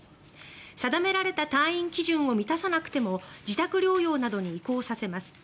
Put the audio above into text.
定められた退院基準を満たさなくても自宅療養などに移行させます。